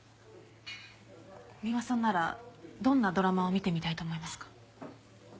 三馬さんならどんなドラマを見てみたいと思いますか？